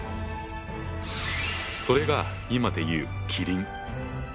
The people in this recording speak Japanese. それが今で言うキリン。